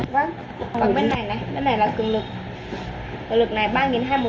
vâng còn bên này này bên này là cường lực cường lực này ba hai trăm linh tấm